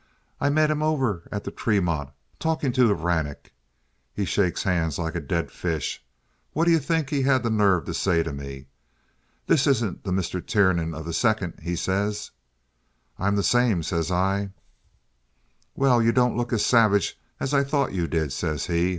I met him over at the Tremont talkin' to Hvranek. He shakes hands like a dead fish. Whaddye think he had the nerve to say to me. 'This isn't the Mr. Tiernan of the second?' he says. "'I'm the same,' says I. "'Well, you don't look as savage as I thought you did,' says he.